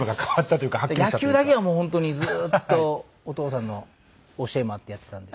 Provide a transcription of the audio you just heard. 野球だけはもう本当にずっとお父さんの教えもあってやってたんで。